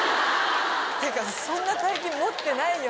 っていうかそんな大金持ってないよ。